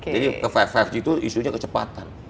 jadi ke lima g itu isunya kecepatan